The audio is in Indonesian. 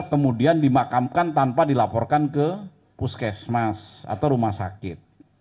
kemudian dimakamkan tanpa dilaporkan ke puskesmas atau rumah sakit